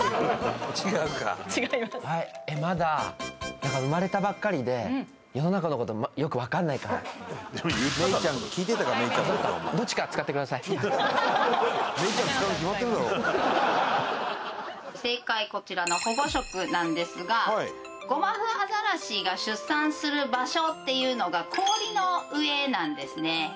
違うか違いますはいまだ生まれたばっかりで世の中のことよくわかんないから正解こちらの保護色なんですがゴマフアザラシが出産する場所っていうのが氷の上なんですね